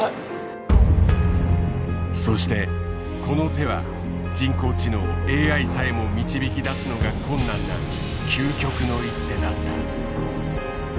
そしてこの手は人工知能ＡＩさえも導き出すのが困難な究極の一手だった。